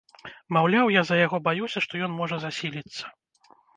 Маўляў, я за яго баюся, што ён можа засіліцца.